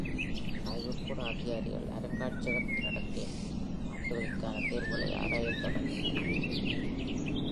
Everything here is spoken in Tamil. ஆய்வுக்கூட அதிகாரிகள், அருங்காட்சியகத்தின் இடத்தை மாற்றுவதற்கான தேர்வுகளை ஆராயத் தொடங்கினர்.